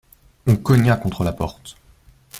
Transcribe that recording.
On cogna contre la porte.